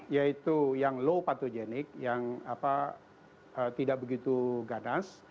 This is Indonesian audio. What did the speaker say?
yaitu yang low patogenik yang tidak begitu ganas